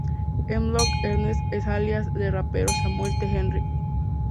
Hemlock Ernst es el alias de rapero de Samuel T. Herring.